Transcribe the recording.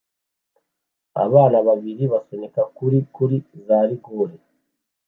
Abana babiri basunika kuri kuri za rigore